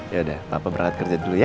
yaudah papa berangkat kerja dulu ya